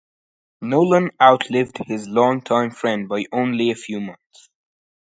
Nolan outlived his long-time friend by only a few months.